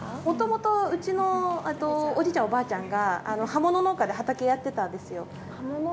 もともとうちのおじいちゃんおばあちゃんが葉物農家で畑やってたんですよ。